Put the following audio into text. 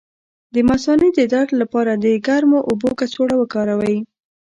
د مثانې د درد لپاره د ګرمو اوبو کڅوړه وکاروئ